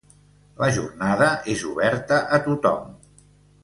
La jornada es oberta a tothom.